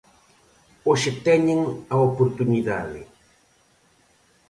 Hoxe teñen a oportunidade.